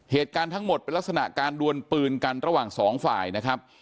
เหตุการณ์ทั้งหมดเป็นลักษณะการดวนปืนกันระหว่างสองฝ่ายนะครับ